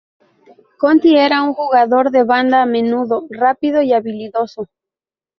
Conti era un jugador de banda, menudo, rápido y habilidoso.